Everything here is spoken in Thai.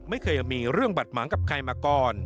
ไม่เคยมีเรื่องบัดหมางกับใครมาก่อน